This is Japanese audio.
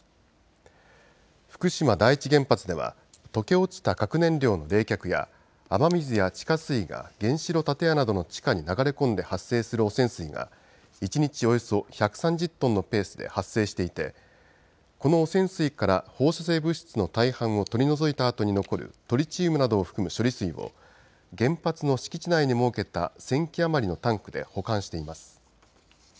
福島第一原発では溶け落ちた核燃料の冷却や雨水や地下水が原子炉建屋などの地下に流れ込んで発生する汚染水が一日およそ１３０トンのペースで発生していてこの汚染水から放射性物質の大半を取り除いたあとに残るトリチウムなどを含む処理水を原発の敷地内に設けた１０００基余りのタンクで保管しています。